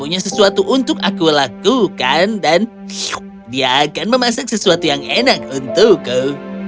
punya sesuatu untuk aku lakukan dan dia akan memasak sesuatu yang enak untukku